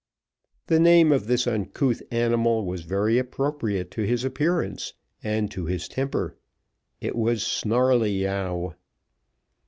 The name of this uncouth animal was very appropriate to his appearance, and to his temper. It was Snarleyyow.